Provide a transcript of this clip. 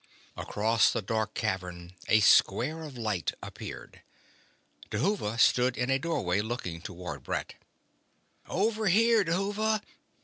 Across the dark cavern a square of light appeared. Dhuva stood in a doorway looking toward Brett. "Over here, Dhuva!"